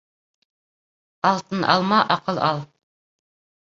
Алтын алма, аҡыл ал